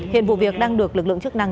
hiện vụ việc đang được lực lượng chức năng